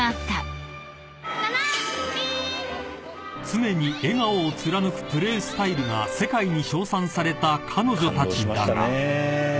［常に笑顔を貫くプレースタイルが世界に称賛された彼女たちだが］